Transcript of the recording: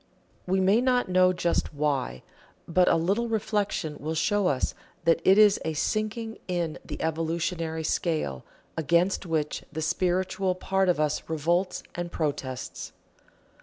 We may not know just why, but a little reflection will show us that it is a sinking in the evolutionary scale, against which the spiritual part of us revolts and protests.